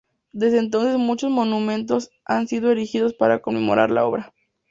Desde entonces muchos monumentos han sido erigidos para conmemorar la obra.